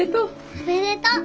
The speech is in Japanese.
おめでとう。